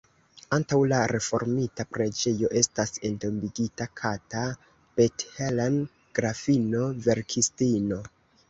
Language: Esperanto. Antaŭ la reformita preĝejo estas entombigita Kata Bethlen, grafino, verkistino.